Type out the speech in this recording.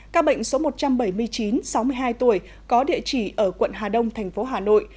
các bệnh số một trăm bảy mươi chín sáu mươi hai tuổi có địa chỉ ở quận hà đông thành phố hà nội